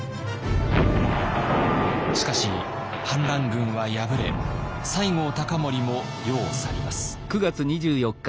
しかし反乱軍は敗れ西郷隆盛も世を去ります。